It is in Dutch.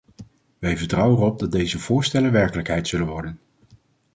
Wij vertrouwen erop dat deze voorstellen werkelijkheid zullen worden.